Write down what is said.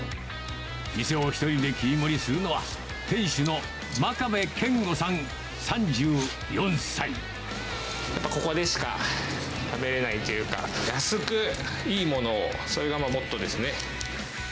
店を１人で切り盛りするのは、やっぱり、ここでしか食べれないというか、安く、いいものを、それがモットーですね。